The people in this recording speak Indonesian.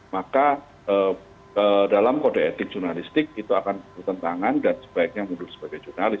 maka dalam kode etik jurnalistik itu akan bertentangan dan sebaiknya mundur sebagai jurnalis